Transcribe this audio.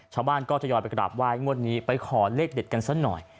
ชาวบ้านก็ทยอยไปกราบไหว้งวดนี้ไปขอเลขเด็ดกันสักหน่อย